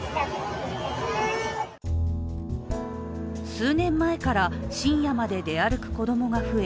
数年前から深夜まで出歩く子供が増え